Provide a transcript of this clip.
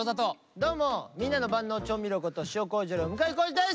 どうもみんなの万能調味料こと塩こうじよりも向井康二です。